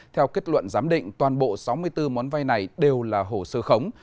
theo kết luận giám định toàn bộ sáu mươi bốn món vay này đều là hồ sơ khống